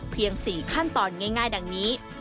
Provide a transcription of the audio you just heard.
๔ขั้นตอนง่ายดังนี้